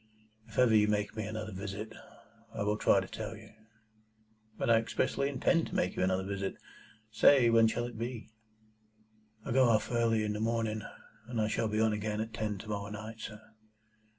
If ever you make me another visit, I will try to tell you." "But I expressly intend to make you another visit. Say, when shall it be?" "I go off early in the morning, and I shall be on again at ten to morrow night, sir."